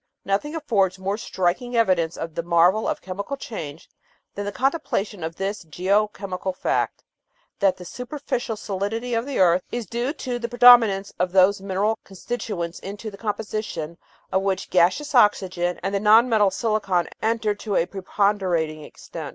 Nothing affords more striking evidence of the marvel of chemical change than the contemplation of this geo chemical fact, that the superficial "solidity" of the earth is due to the predominance of those mineral constituents into the composition of which gaseous oxygen and the non metal silicon enter to a preponderating extent.